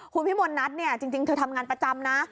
คุณพี่มนนัทเนี่ยจริงเธอทำงานประจำนะ